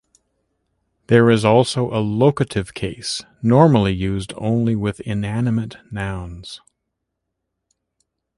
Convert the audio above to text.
There is also a locative case, normally used only with inanimate nouns.